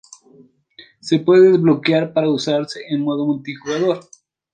Se puede desbloquear para usarse en modo multi-jugador.